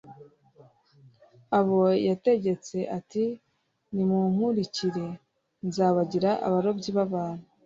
abo yategetse ati nimunkurikire, nzabagire abarobyi b'abantu